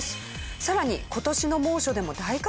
さらに今年の猛暑でも大活躍。